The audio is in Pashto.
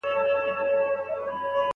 ملا په خپل کټ کې کښېناست.